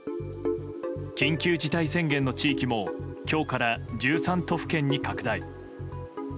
緊急事態宣言の地域も今日から１３都府県に拡大。